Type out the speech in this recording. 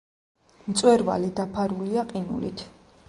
მწვერვალი დაფარულია ყინულით.